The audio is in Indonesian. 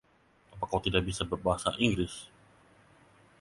Apa kau tidak bisa berbahasa Inggris?